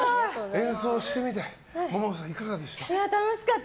演奏してみてももさん、いかがでした？